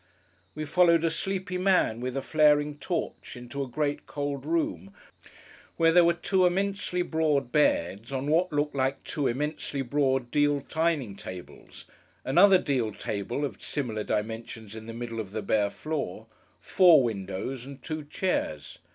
We followed a sleepy man with a flaring torch, into a great, cold room, where there were two immensely broad beds, on what looked like two immensely broad deal dining tables; another deal table of similar dimensions in the middle of the bare floor; four windows; and two chairs.